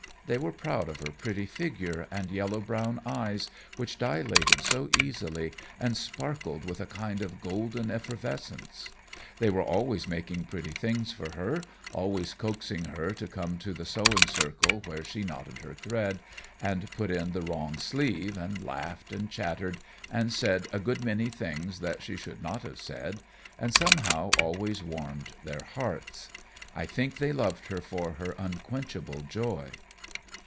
They were proud of her pretty figure and yellow brown eyes, which dilated so easily and sparkled with a kind of golden effervescence. They were always making pretty things for her, always coaxing her to come to the sewing circle, where she knotted her thread, and put in the wrong sleeve, and laughed and chattered and said a great many things that she should not have said, and somehow always warmed their hearts. I think they loved her for her unquenchable joy.